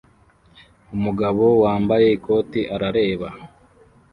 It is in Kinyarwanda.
Umugabo wambaye ikoti arareba